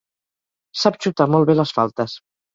Sap xutar molt bé les faltes.